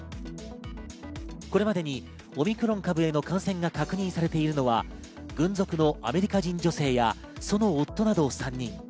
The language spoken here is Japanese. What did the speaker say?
これまでにオミクロン株への感染が確認されているのは軍属のアメリカ人女性や、その夫など３人。